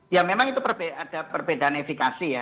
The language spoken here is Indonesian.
ya memang itu ada perbedaan efekasi ya